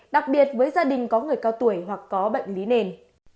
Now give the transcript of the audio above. đặc biệt với gia đình có người cao tuổi hoặc có bệnh lý nền